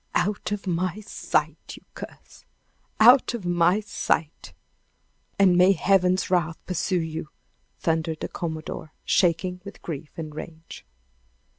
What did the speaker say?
"Out of my sight, you curse! Out of my sight and may Heaven's wrath pursue you!" thundered the commodore, shaking with grief and rage.